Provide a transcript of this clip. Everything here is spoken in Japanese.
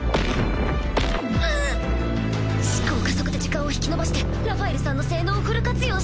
思考加速で時間を引き延ばしてラファエルさんの性能をフル活用して